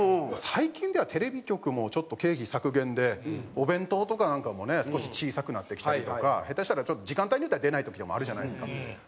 最近ではテレビ局もちょっと経費削減でお弁当とかなんかもね少し小さくなってきたりとか下手したらちょっと時間帯によっては出ない時もあるじゃないですか。